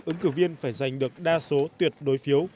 ứng cử viên phải giành được đa số tuyệt đối